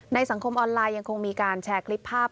สังคมออนไลน์ยังคงมีการแชร์คลิปภาพ